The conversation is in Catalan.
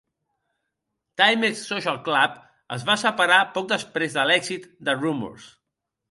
Timex Social Club es va separar poc després de l'èxit de "Rumors".